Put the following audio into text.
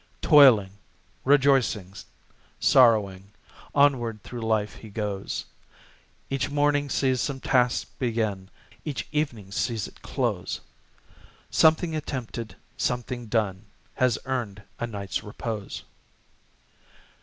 Toiling, rejoicing, sorrowing, Onward through life he goes; Each morning sees some task begin, Each evening sees it close; Something attempted, something done, Has earned a night's repose.